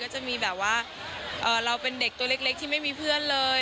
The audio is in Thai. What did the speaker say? จะมีแบบว่าเราเป็นเด็กตัวเล็กที่ไม่มีเพื่อนเลย